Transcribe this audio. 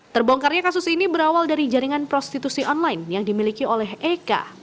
terbongkarnya kasus ini berawal dari jaringan prostitusi online yang dimiliki oleh eka